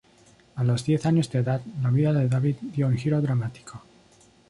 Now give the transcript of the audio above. A los diez años de edad, la vida de David dio un giro dramático.